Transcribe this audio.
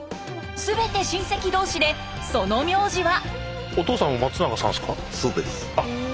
全て親戚同士でその名字は。